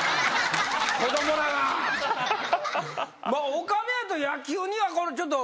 お金やと野球にはちょっと。